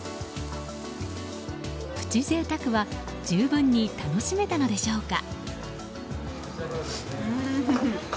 プチ贅沢は十分に楽しめたのでしょうか？